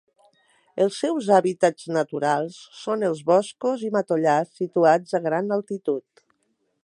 Els seus hàbitats naturals són els boscos i matollars situats a gran altitud.